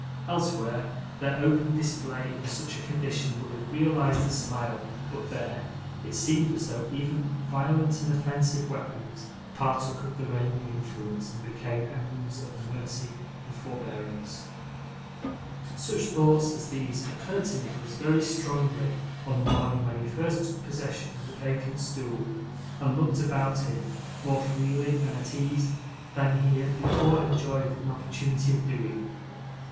Elsewhere, their open display in such a condition would have realised a smile; but, there, it seemed as though even violent and offensive weapons partook of the reigning influence, and became emblems of mercy and forbearance. Such thoughts as these occurred to Nicholas very strongly, on the morning when he first took possession of the vacant stool, and looked about him, more freely and at ease, than he had before enjoyed an opportunity of doing.